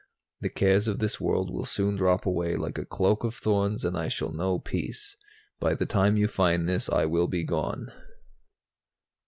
The cares of this world will soon drop away like a cloak of thorns and I shall know peace. By the time you find this, I will be gone.'"